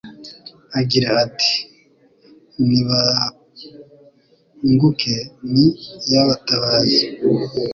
agira ati: Nibanguke ni iy’abatabazi